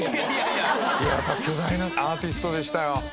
やっぱ巨大なアーティストでしたよ。